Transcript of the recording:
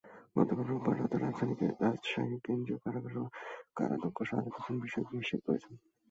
গতকাল রোববার রাতে রাজশাহী কেন্দ্রীয় কারাগারের কারাধ্যক্ষ শাহাদাত হোসেন বিষয়টি নিশ্চিত করেছেন।